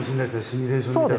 シミュレーション見たら。